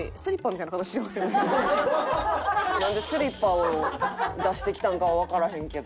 なんでスリッパを出してきたんかはわからへんけど。